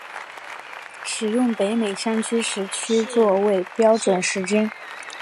使用北美山区时区作为标准时间。